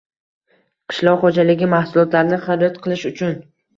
Qishloq xo‘jaligi mahsulotlarini xarid qilish uchun